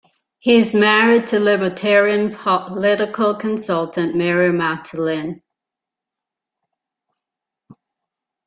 He is married to Libertarian political consultant Mary Matalin.